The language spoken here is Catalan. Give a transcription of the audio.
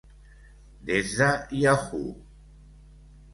Des de Yahoo!